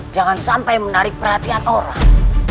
jangan sampai menarik perhatian orang